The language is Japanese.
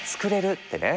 ってね。